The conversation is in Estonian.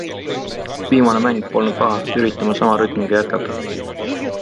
Viimane mäng polnud paha, üritame sama rütmiga jätkata.